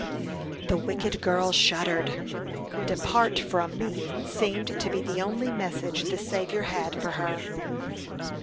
The wicked girl shuddered. "Depart from me," seemed to be the only message the Saviour had for her.